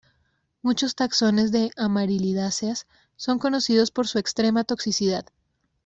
Muchos taxones de Amarilidáceas son conocidos por su extremada toxicidad.